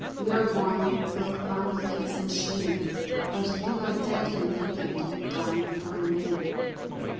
We are warm, clothed round with peace and shame; But ye lie dead and naked, dying for a name."